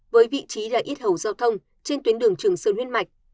với vị trí là ít hầu giao thông trên tuyến đường trường sơn huyên mạch